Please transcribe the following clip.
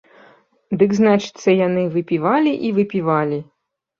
Дык, значыцца, яны выпівалі і выпівалі.